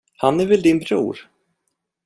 Han är väl din bror?